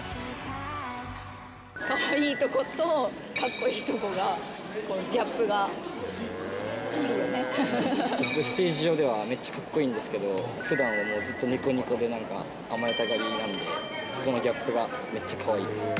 かわいいとことかっこいいとこが、ステージ上では、めっちゃかっこいいんですけど、ふだんはもうずっとにこにこでなんか、甘えたがりなんで、そこのギャップがめっちゃかわいいです。